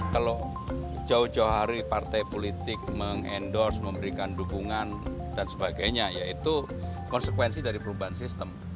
kalau jauh jauh hari partai politik mengendorse memberikan dukungan dan sebagainya yaitu konsekuensi dari perubahan sistem